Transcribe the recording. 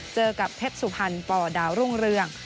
เจอกับเพชรสุพรรณปดาวรุ่งเรือง